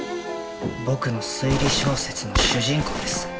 僕の推理小説の主人公です。